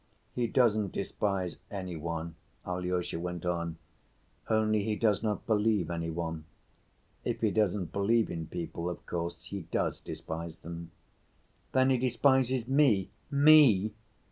"He doesn't despise any one," Alyosha went on. "Only he does not believe any one. If he doesn't believe in people, of course, he does despise them." "Then he despises me, me?"